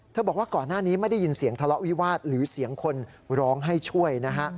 บอกว่าก่อนหน้านี้ไม่ได้ยินเสียงทะเลาะวิวาสหรือเสียงคนร้องให้ช่วยนะฮะ